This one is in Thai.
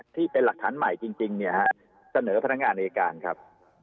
ที่เป็นหลักฐานใหม่จริงเนี่ยฮะเสนอพนักงานอายการครับ